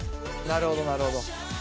なるほどなるほど。